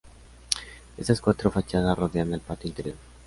Estas cuatro fachadas rodean al patio interior.